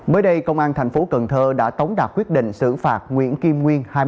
mới đây công an thành phố cần thơ đã tống đạt quyết định xử phạt nguyễn kim nguyên